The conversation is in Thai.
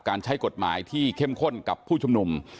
ใช้กฎหมายที่เข้มข้นกับผู้ชุมนุม